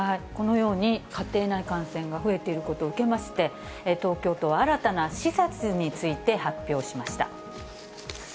このように、家庭内感染が増えていることを受けまして、東京都は新たな施設について発表しました。